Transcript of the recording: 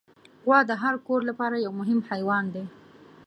غوا د هر کور لپاره یو مهم حیوان دی.